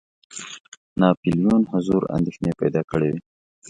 ناپولیون حضور اندېښنې پیدا کړي وې.